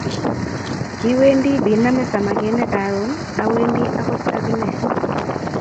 Kiwendi biname samakinik karon awendi agot agine